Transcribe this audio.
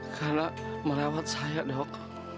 karena melewat saya dok